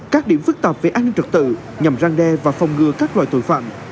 các điểm phức tạp về an ninh trật tự nhằm răng đe và phòng ngừa các loại tội phạm